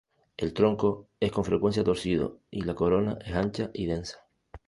El tronco es con frecuencia torcido, la corona es ancha y densa.